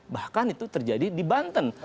bahkan itu terjadi di banten